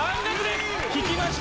引きました。